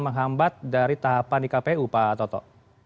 menghambat dari tahapan ikpu pak toto